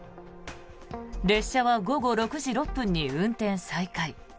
列車は午後６時６分に運転再開。